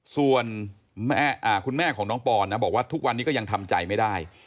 ส่วนคุณแม่ของน้องปอนนะบอกว่าทุกวันนี้ก็ยังทำใจไม่ได้